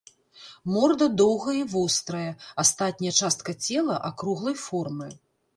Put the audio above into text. Морда доўгая і вострая, астатняя частка цела акруглай формы.